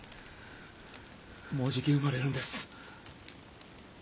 もうじき生まれるんです。